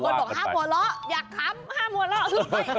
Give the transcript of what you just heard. บางคนบอกห้ามหัวเราะอยากค้ำห้ามหัวเราะ